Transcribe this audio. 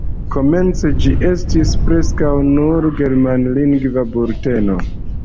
Komence ĝi estis preskaŭ nur germanlingva bulteno.